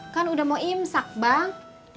kan udah mau imsak bang